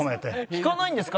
聞かないんですか？